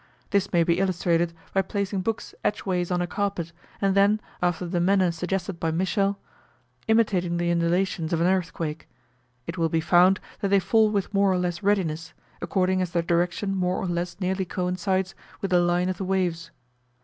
This may be illustrated by placing books edgeways on a carpet, and then, after the manner suggested by Michell, imitating the undulations of an earthquake: it will be found that they fall with more or less readiness, according as their direction more or less nearly coincides with the line of the waves.